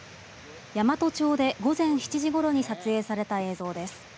山都町で午前７時ごろに撮影された映像です。